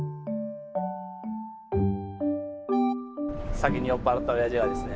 「酒に酔っ払ったおやじがですね